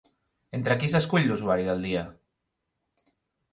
Entre qui s'escull l'«usuari del dia»?